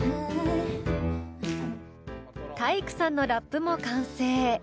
体育さんのラップも完成。